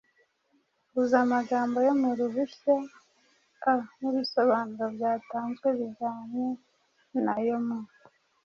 Huza amagambo yo mu ruhushya A n’ibisobanuro byatanzwe bijyanye no yo mu